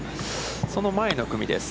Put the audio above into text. その前の組です。